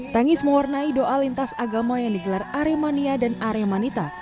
tangis mewarnai doa lintas agama yang digelar aremania dan area manita